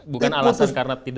bukan alasan karena tidak